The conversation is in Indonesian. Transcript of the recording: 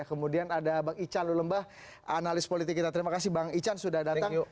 kemudian ada bang ican lulembah analis politik kita terima kasih bang ican sudah datang